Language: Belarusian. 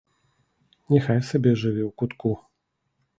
Няхай сабе жыве ў кутку.